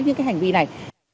những cái hành vi này